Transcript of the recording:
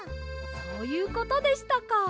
そういうことでしたか。